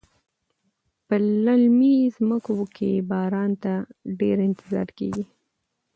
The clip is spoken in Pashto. په للمي ځمکو کې باران ته ډیر انتظار کیږي.